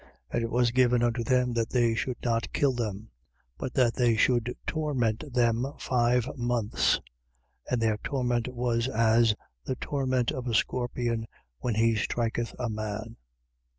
9:5. And it was given unto them that they should not kill them: but that they should torment them five months. And their torment was as the torment of a scorpion when he striketh a man.